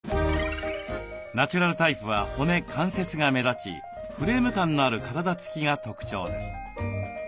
ナチュラルタイプは骨関節が目立ちフレーム感のある体つきが特徴です。